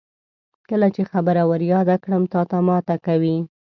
کله چې خبره ور یاده کړم تاته ماته کوي.